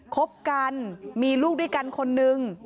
คบกันมีลูกด้วยกันคนนึง